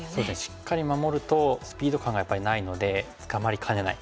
しっかり守るとスピード感がやっぱりないので捕まりかねない。